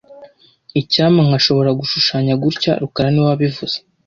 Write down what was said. Icyampa nkashobora gushushanya gutya rukara niwe wabivuze